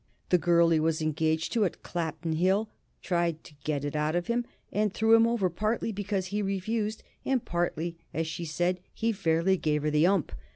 The girl he was engaged to at Clapton Hill tried to get it out of him, and threw him over partly because he refused, and partly because, as she said, he fairly gave her the "'ump."